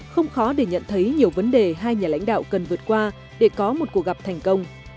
không khó để nhận thấy nhiều vấn đề hai nhà lãnh đạo cần vượt qua để có một cuộc gặp thành công